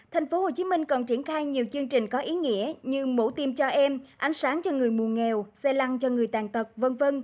tp hcm còn triển khai nhiều chương trình có ý nghĩa như mẫu tim cho em ánh sáng cho người mù nghèo xe lăng cho người tàn tật v v